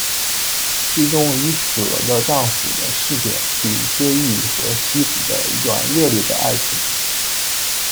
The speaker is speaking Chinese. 诗中以死了的丈夫的视点去追忆和妻子的一段热烈的爱情。